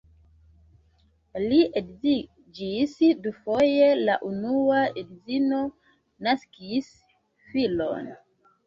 Li edziĝis dufoje, la unua edzino naskis filon.